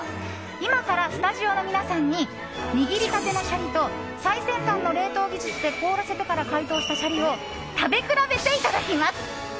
今からスタジオの皆さんに握りたてのシャリと最先端の冷凍技術で凍らせてから解凍したシャリを食べ比べていただきます！